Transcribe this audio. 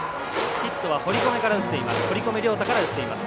ヒットは堀米涼太から打っています。